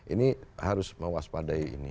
ini harus mewaspadai ini